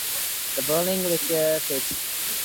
The boiling liquor pitched.